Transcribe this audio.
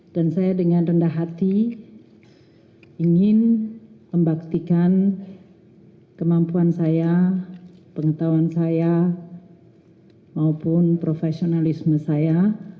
dan saya dengan rendah hati ingin membaktikan kemampuan saya pengetahuan saya maupun profesionalisme saya